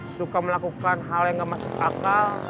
suka melakukan hal yang gak masuk akal